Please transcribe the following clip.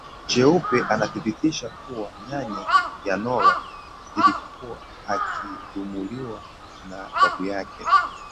Cheupe anadhibitisha kuwa nyanya ya Nora alikuwa akidhulumiwa na babu yake